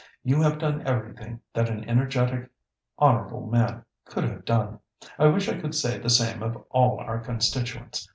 You have done everything that an energetic, honourable man could have done. I wish I could say the same of all our constituents.